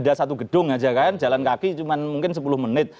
tidak satu gedung aja kan jalan kaki cuma mungkin sepuluh menit